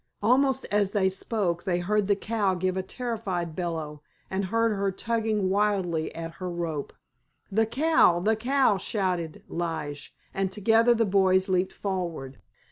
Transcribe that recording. Almost as he spoke they heard the cow give a terrified bellow, and heard her tugging wildly at her rope. "The cow, the cow!" shouted Lige, and together the boys leaped forward.